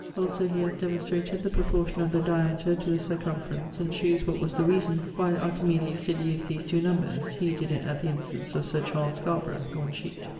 Also he hath demonstrated the proportion of the diameter to the circumference, and shewes what was the reason why Archimedes did use these two numbers he did it at the instance of Sir Charles Scarborough one sheet.